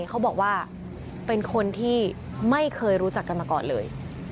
เขาบอกว่าเป็นคนที่ไม่เคยรู้จักกันมาก่อนเลย